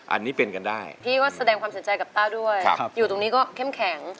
อันนี้เป็นกันได้พี่ก็แสดงความเสียใจกับต้าด้วยอยู่ตรงนี้ก็เข้มแข็ง